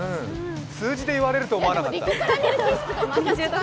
数字で言われると思わなかった。